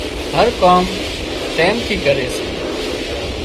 هر ڪام ٽيم ٿي ڪري سي